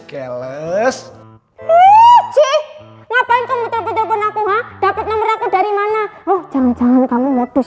jelas ngapain kamu betul betul pun aku ha dapat nomor aku dari mana oh jangan jangan kamu modus